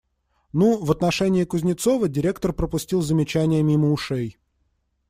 Ну, в отношении Кузнецова директор пропустил замечание мимо ушей.